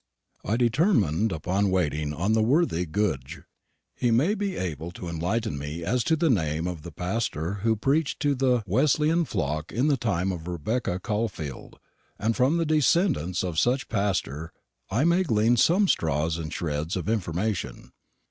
I determined upon waiting on the worthy Goodge. He may be able to enlighten me as to the name of the pastor who preached to the Wesleyan flock in the time of Rebecca Caulfield; and from the descendants of such pastor I may glean some straws and shreds of information.